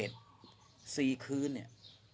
๔คืนเนี่ย